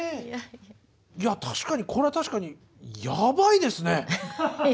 いや確かにこれは確かにヤバイですね。